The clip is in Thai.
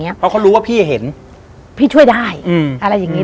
เพราะเขารู้ว่าพี่จะเห็นพี่ช่วยได้